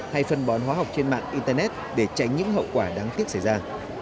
hay phân bón hóa học trên mạng internet để tránh những hậu quả đáng tiếc xảy ra